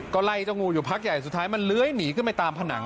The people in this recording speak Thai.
ก็ไล่เจ้างูอยู่พักใหญ่สุดท้ายมันเลื้อยหนีขึ้นไปตามผนัง